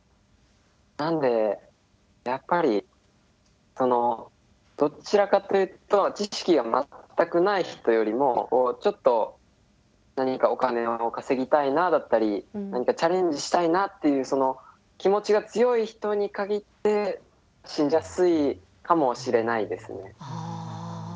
なんでやっぱりどちらかというと知識が全くない人よりもちょっと何かお金を稼ぎたいなだったりチャレンジしたいなっていうその気持ちが強い人に限って信じやすいかもしれないですね。